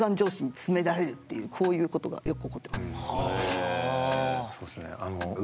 はあ。